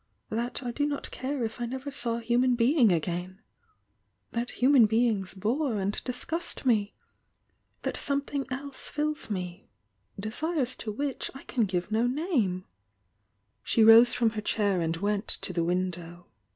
Ihat I do not care if I never saw a human bemg a^. That human beings bore and disgust me? That something else fiUs me,— desir?s to which I can give ""sh^^ose from her chair and went to the window.